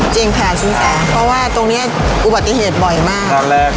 จริงขนาดสินแสเพราะว่าตรงเนี้ยอุบัติเหตุบ่อยมาก